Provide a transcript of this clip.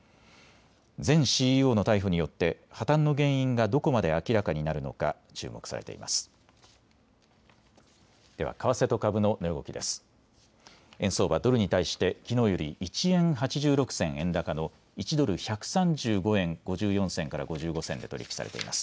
前ＣＥＯの逮捕によって破綻の原因がどこまで明らかになるのか注目されています。